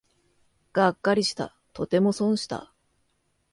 がっかりした、とても損した